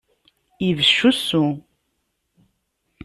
Ibecc usu.